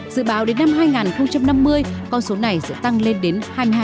dự báo đến năm hai nghìn năm mươi con số này sẽ tăng lên đến hai mươi hai